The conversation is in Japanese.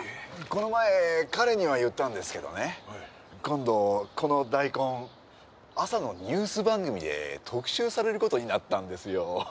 この前彼には言ったんですけどね今度この大根朝のニュース番組で特集されることになったんですよ